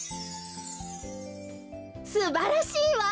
すばらしいわ！